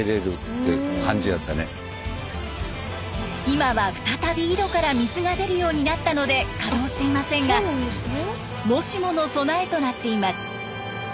今は再び井戸から水が出るようになったので稼働していませんがもしもの備えとなっています。